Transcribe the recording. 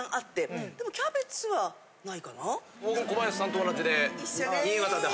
僕も小林さんと同じで新潟で。